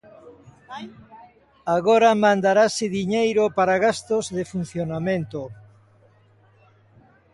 Agora mandarase diñeiro para gastos de funcionamento.